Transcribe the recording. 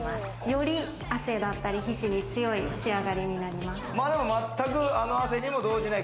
より汗だったり皮脂に強い仕上がりになります。